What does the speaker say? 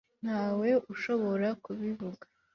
ntawe ushobora kubivuga